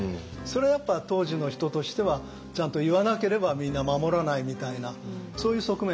それやっぱ当時の人としてはちゃんと言わなければみんな守らないみたいなそういう側面はあったと思います。